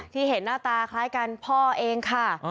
เห็นหน้าตาคล้ายกันพ่อเองค่ะ